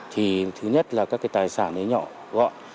thì thứ nhất là các cái tài sản nhỏ gọn